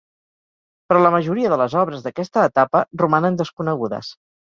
Però la majoria de les obres d'aquesta etapa romanen desconegudes.